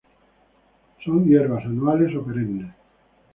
Son hierbas, anuales o perennes.